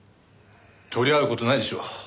取り合う事ないでしょう。